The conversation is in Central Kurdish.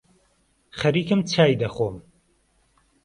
خەریکم چای دەخۆم